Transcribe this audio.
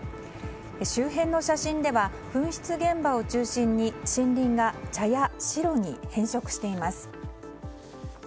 周辺の写真では噴出現場を中心に森林が茶や白に変色しています。